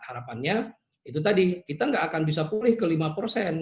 harapannya itu tadi kita nggak akan bisa pulih ke lima persen